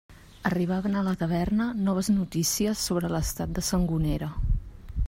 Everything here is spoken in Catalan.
Arribaven a la taverna noves notícies sobre l'estat de Sangonera.